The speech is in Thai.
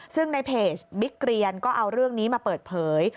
ซึ่งในเพจบิ๊กเกรียนก็เอาเรื่องนี้มาเปิดเผย